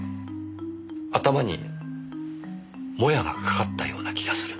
頭にもやがかかったような気がする。